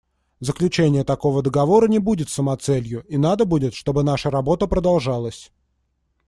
Заключение такого договора не будет самоцелью; и надо будет, чтобы наша работа продолжалась.